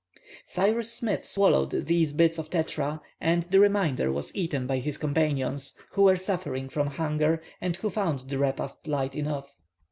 Cyrus Smith swallowed these bits of tetra, and the remainder was eaten by his companions, who were suffering from hunger, and who found the repast light enough.